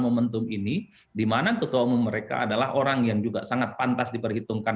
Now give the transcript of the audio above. momentum ini dimana ketua umum mereka adalah orang yang juga sangat pantas diperhitungkan